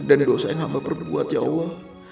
dan dosa yang hamba perbuat ya allah